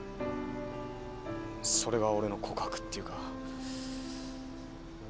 それが俺の告白っていうか。